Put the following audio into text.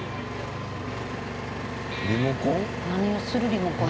リモコン？